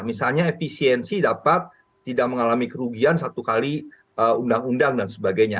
misalnya efisiensi dapat tidak mengalami kerugian satu kali undang undang dan sebagainya